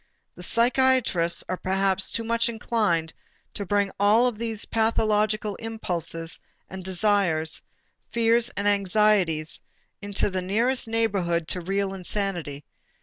The psychiatrists are perhaps too much inclined to bring all these pathological impulses and desires, fears and anxieties, into the nearest neighborhood to real insanity.